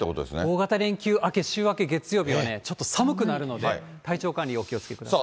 大型連休明け、週明け月曜日は、ちょっと寒くなるので、体調管理お気をつけください。